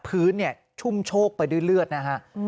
พื้นชุ่มโชคไปด้วยเลือดนะครับ